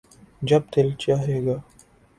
جب دل چاھے گا